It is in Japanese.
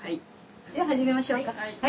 じゃあ始めましょうか。